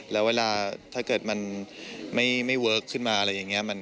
แล้วเวลาถ้าเกิดมันไม่เวิร์คขึ้นมาอะไรอย่างนี้